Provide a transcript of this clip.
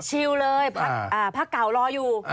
ชิลเลยพักเก่ารออยู่